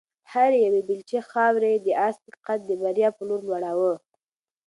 هرې یوې بیلچې خاورې د آس قد د بریا په لور لوړاوه.